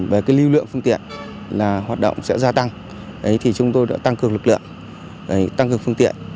về lưu lượng phương tiện hoạt động sẽ gia tăng chúng tôi đã tăng cường lực lượng tăng cường phương tiện